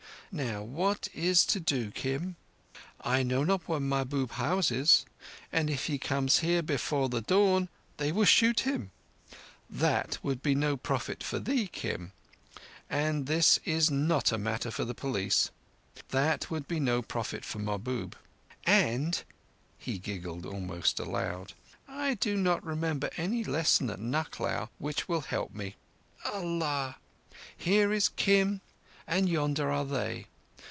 Now what is to do, Kim? I know not where Mahbub houses, and if he comes here before the dawn they will shoot him. That would be no profit for thee, Kim. And this is not a matter for the police. That would be no profit for Mahbub; and"—he giggled almost aloud—"I do not remember any lesson at Nucklao which will help me. Allah! Here is Kim and yonder are they.